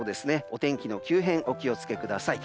お天気の急変お気を付けください。